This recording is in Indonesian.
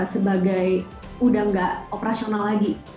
sebagai udah nggak operasional lagi